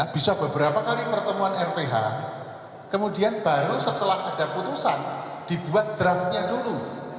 bisa beberapa kali pertemuan rph kemudian baru setelah ada putusan dibuat draftnya dulu